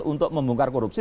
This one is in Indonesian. untuk membongkar korupsi